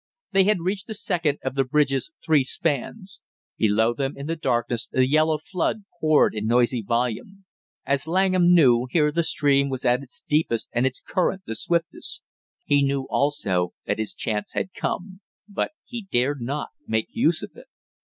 They had reached the second of the bridge's three spans. Below them in the darkness the yellow flood poured in noisy volume. As Langham knew, here the stream was at its deepest and its current the swiftest. He knew also that his chance had come; but he dared not make use of it.